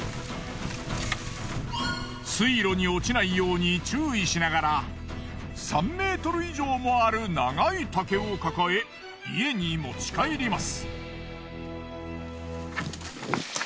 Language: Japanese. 水路に落ちないように注意しながら３ｍ以上もある長い竹を抱え家に持ち帰ります。